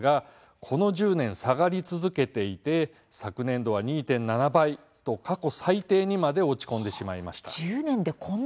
この１０年下がり続けていて昨年度は２．７倍と過去最低にまで落ち込んでしまいました。